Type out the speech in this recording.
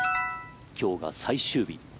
今日が最終日。